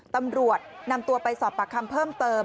ตำรวจไปสอบประคัมเพิ่มเติม